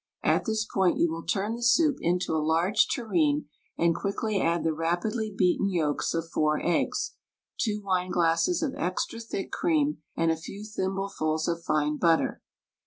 At this point you will turn the soup into a large tureen and quickly add the rapidly beaten yolks of four eggs, two wine glasses of extra thick cream and a few thimble fuls of fine butter.